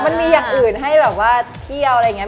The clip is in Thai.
มันมีอย่างอื่นให้แบบว่าเที่ยวอะไรอย่างนี้